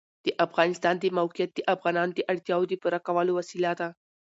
د افغانستان د موقعیت د افغانانو د اړتیاوو د پوره کولو وسیله ده.